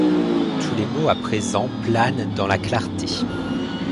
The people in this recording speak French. Tous les mots à présent planent dans la clarté.